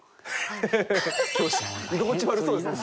ハハハハ居心地悪そうですね。